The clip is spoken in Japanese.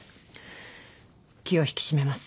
気を引き締めます。